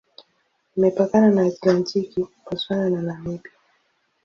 Imepakana na Atlantiki, Botswana na Namibia.